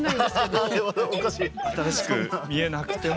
新しく見えなくても。